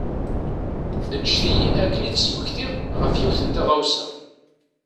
Eǧǧet-iyi ad ken-id-smektiɣ ɣef yiwet n tɣawsa.